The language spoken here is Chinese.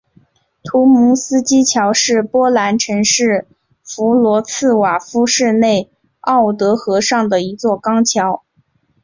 图蒙斯基桥是波兰城市弗罗茨瓦夫市内奥德河上的一座钢桥。